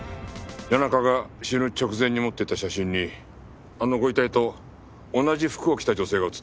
谷中が死ぬ直前に持っていた写真にあのご遺体と同じ服を着た女性が写っていた。